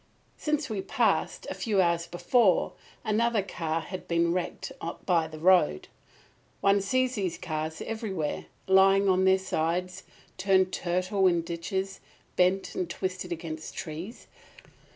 Since we passed, a few hours before, another car had been wrecked by the road. One sees these cars everywhere, lying on their sides, turned turtle in ditches, bent and twisted against trees.